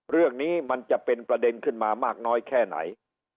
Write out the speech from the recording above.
เรื่องนี้มันจะเป็นประเด็นขึ้นมามากน้อยแค่ไหน